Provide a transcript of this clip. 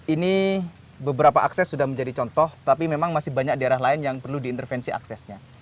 ini beberapa akses sudah menjadi contoh tapi memang masih banyak daerah lain yang perlu diintervensi aksesnya